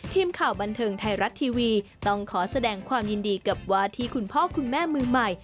ทีมข่าวบันเทิงไทยรัฐทีวีต้องขอแสดงความยินดีกับวาทีคุณพ่อคุณแม่มือใหม่